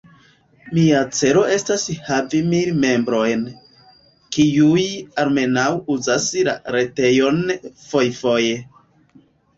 Mia celo estas havi mil membrojn, kiuj almenaŭ uzas la retejon fojfoje.